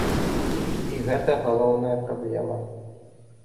І гэта галоўная праблема.